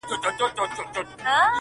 o هر څوک له خپله سره اور وژني.